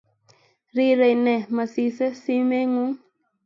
Rirei ne masisei simeng'ung'